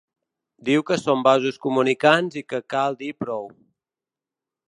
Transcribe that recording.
Diu que són vasos comunicants i que cal dir prou.